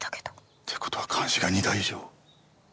ってことは監視が２台以上。